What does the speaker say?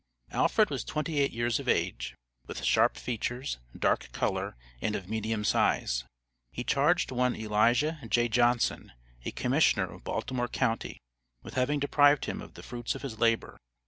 Alfred was twenty eight years of age, with sharp features, dark color, and of medium size. He charged one Elijah J. Johnson, a commissioner of Baltimore Co., with having deprived him of the fruits of his labor.